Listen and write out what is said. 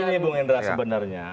ini bung indra sebenarnya